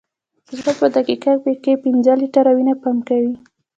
زړه په دقیقه کې پنځه لیټره وینه پمپ کوي.